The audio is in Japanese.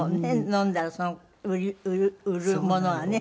飲んだらその売るものがね。